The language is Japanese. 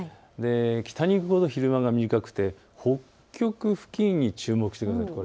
北寄りほど昼間の長さが短くて、北極付近に注目してください。